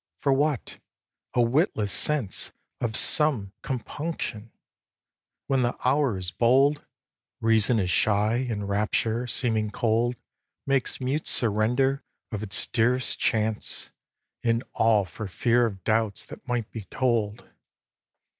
For what? A witless sense Of some compunction! When the hour is bold Reason is shy, and rapture, seeming cold, Makes mute surrender of its dearest chance, And all for fear of doubts that might be told.